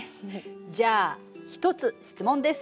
じゃあ１つ質問です。